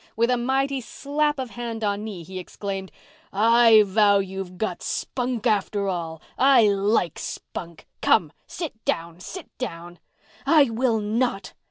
With a mighty slap of hand on knee he exclaimed, "I vow you've got spunk, after all—I like spunk. Come, sit down—sit down!" "I will not."